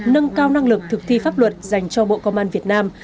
nâng cao năng lực thực thi pháp luật dành cho bộ công an việt nam